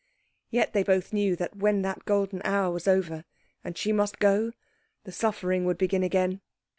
Yet they both knew that when that golden hour was over, and she must go, the suffering would begin again.